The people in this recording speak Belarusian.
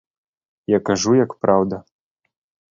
Я кажу, як праўда.